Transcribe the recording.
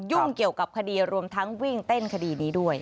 ยุ่งเกี่ยวกับคดีรวมทั้งวิ่งเต้นคดีนี้ด้วย